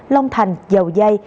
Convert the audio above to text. long thành dầu dây